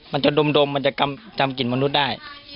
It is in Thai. มันจะดมจำกลิ่นมนุษย์ได้